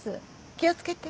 気を付けて。